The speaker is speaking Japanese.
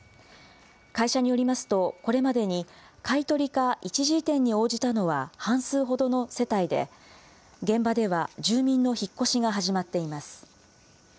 会社によりますと、これまでに買い取りか一時移転に応じたのは半数ほどの世帯で、現場では、住民の引っ越しが始まっています。